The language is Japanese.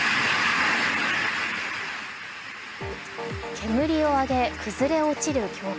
煙を上げ、崩れ落ちる教会。